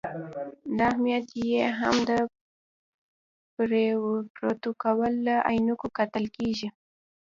دا اهمیت یې هم د پروتوکول له عینکو کتل کېږي.